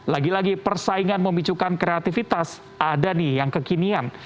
lagi lagi persaingan memicukan kreativitas ada nih yang kekinian